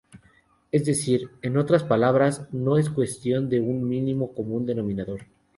Es decir, en otras palabras, no es una cuestión de un mínimo común denominador.